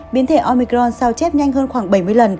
biến thể omicron sao chép nhanh hơn khoảng bảy mươi lần